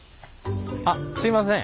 あっすいません。